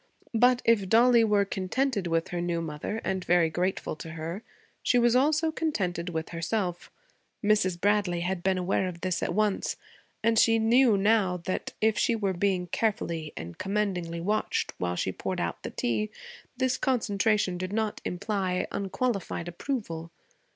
But if Dollie were contented with her new mother, and very grateful to her, she was also contented with herself; Mrs. Bradley had been aware of this at once; and she knew now that, if she were being carefully and commendingly watched while she poured out the tea, this concentration did not imply unqualified approval.